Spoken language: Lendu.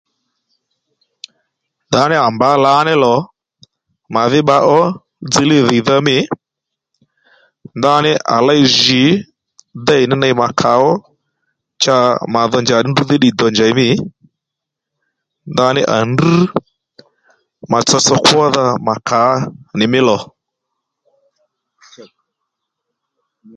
Ndaní à mbǎ lǎní lò màdhí bba ó dziylíy dhìydha mî ndaní à léy jǐ dêy ní ney màkàó cha mà dho njàddí ndrǔ dhí ddiy dò njèy mî ndaní à drŕ mà tsotso kwódha mà kǎ nì mí lò